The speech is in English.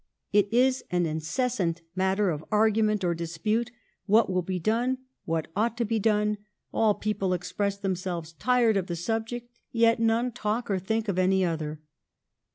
It is an incessant matter of argument or dispute what will be done and what ought to be done. All people express them selves tired of the subject, yet none talk or think of any other."